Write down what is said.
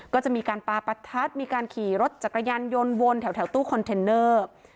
ก็จะมีการปาประทัดมีการขี่รถจักรยานยนต์วนแถวตู้คอนเทนเนอร์